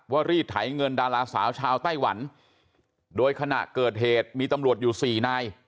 รีดไถเงินดาราสาวชาวไต้หวันโดยขณะเกิดเหตุมีตำรวจอยู่สี่นาย